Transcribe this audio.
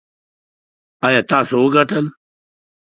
ایا تاسو وګټل؟